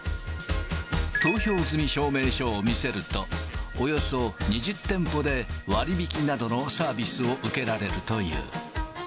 投票済み証明書を見せると、およそ２０店舗で割引きなどのサービスを受けられるという。